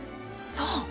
そう！